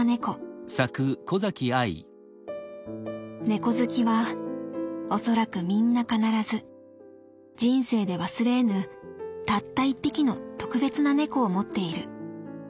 「猫好きはおそらくみんな必ず人生で忘れ得ぬたった１匹の特別な猫を持っている。